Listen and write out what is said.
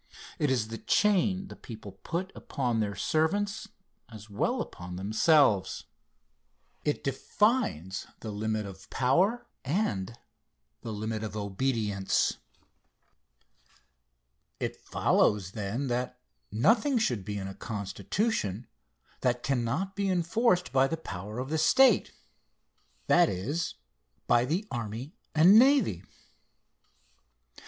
It is the chain the people put upon their servants, as well as upon themselves. It defines the limit of power and the limit of obedience. It follows, then, that nothing should be in a constitution that cannot be enforced by the power of the state that is, by the army and navy.